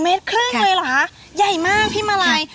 เมตรครึ่งเลยเหรอคะใหญ่มากพี่มาลัย